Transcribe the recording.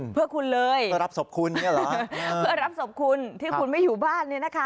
เพื่อรับสบคุณที่คุณไม่อยู่บ้าน